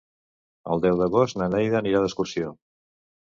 El deu d'agost na Neida anirà d'excursió.